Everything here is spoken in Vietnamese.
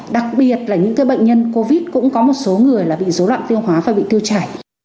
đặc biệt là những cái bệnh nhân covid cũng có một số người là bị dấu loạn tiêu hóa và bị tiêu chảy